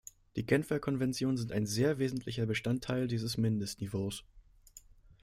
Die Genfer Konventionen sind ein sehr wesentlicher Bestandteil dieses Mindestniveaus.